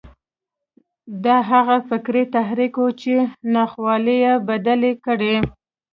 دا هغه فکري تحرک و چې ناخوالې يې بدلې کړې.